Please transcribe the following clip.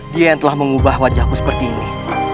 dia yang telah mengubah wajahku seperti ini